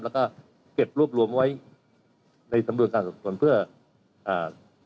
แล้วก็เก็บรวบรวมไว้ในสำนวนการสอบสวนเพื่อประกอบสำนวนต่อไปนะครับ